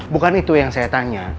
bukan itu yang saya tanya